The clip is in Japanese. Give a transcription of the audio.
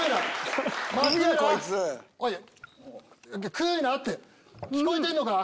・・食うなって聞こえてんのか